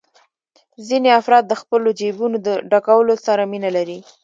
ځینې افراد د خپلو جېبونو ډکولو سره مینه لري